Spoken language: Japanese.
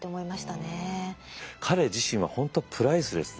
彼自身は本当プライスレスで。